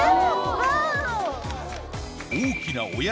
ワオ。